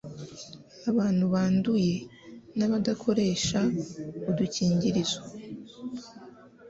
Abantu banduye nabadakoresha udukingirizo